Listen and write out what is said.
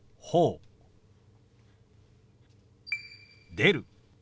「出る」。